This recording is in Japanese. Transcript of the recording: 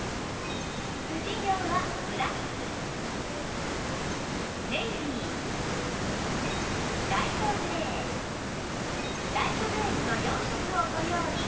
婦人用はブラックネイビーライトグレーライトベージュの４色をご用意